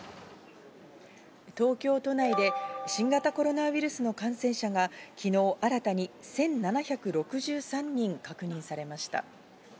東京都内で新型コロナウイルスの感染者が昨日を新たに１７６３人確認されました。